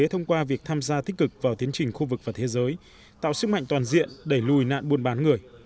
thông qua việc tham gia tích cực vào tiến trình khu vực và thế giới tạo sức mạnh toàn diện đẩy lùi nạn buôn bán người